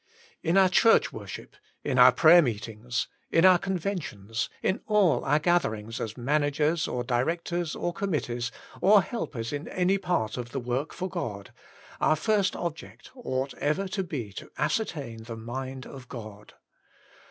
In our church worship, in our prayer meetings, in our conventions, in all our gatherings as managers, or directors, or commit tees, or helpers in any part of the work for God, cur first object ought ever to be to ascertain the mind of God.